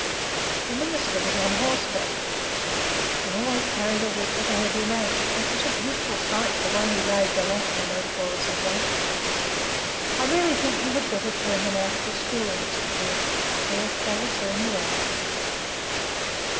The minister was on horseback, and always carried a whip with a heavy lash, and it was a beautiful sight the way he laid the lash on those Boyles and Blakes. I really think you had better turn them out of the school, Mr. Philip, or else they will turn you out."